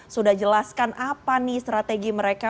sudah jelaskan apa nih strategi mereka